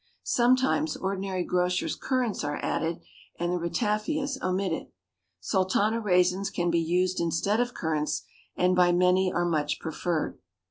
Sometimes ordinary grocer's currants are added and the ratafias omitted. Sultana raisins can be used instead of currants, and by many are much preferred.